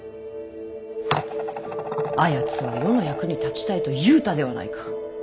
あやつは世の役に立ちたいと言うたではないか。